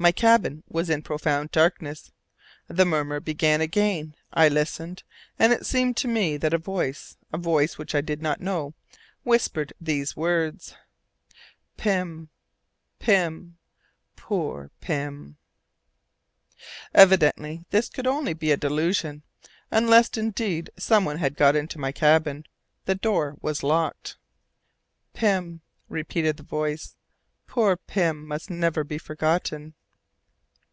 My cabin was in profound darkness. The murmur began again; I listened, and it seemed to me that a voice a voice which I did not know whispered these words: "Pym ... Pym ... poor Pym!" Evidently this could only be a delusion; unless, indeed, some one had got into my cabin: the door was not locked. "Pym!" the voice repeated. "Poor Pym must never be forgotten."